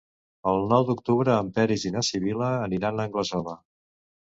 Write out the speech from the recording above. El nou d'octubre en Peris i na Sibil·la aniran a Anglesola.